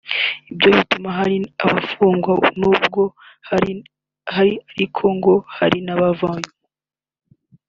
Ibyo bituma hari abafungwa n’ubu bahari ariko ngo hari n’abarivamo